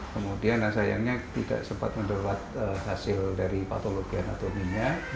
kemudian sayangnya tidak sempat mendapat hasil dari patologi anatominya